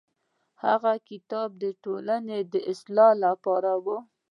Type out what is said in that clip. هغه کتاب د ټولنې د اصلاح لپاره و.